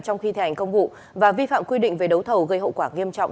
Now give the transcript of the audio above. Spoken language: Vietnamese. trong khi thi hành công vụ và vi phạm quy định về đấu thầu gây hậu quả nghiêm trọng